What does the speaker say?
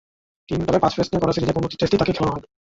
তবে, পাঁচ টেস্ট নিয়ে গড়া সিরিজের কোন টেস্টেই তাকে খেলানো হয়নি।